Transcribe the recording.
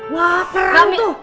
wah perang tuh